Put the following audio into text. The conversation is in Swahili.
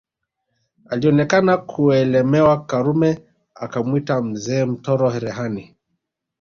Alionekana kuelemewa Karume akamwita Mzee Mtoro Rehani